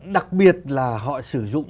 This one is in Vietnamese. đặc biệt là họ sử dụng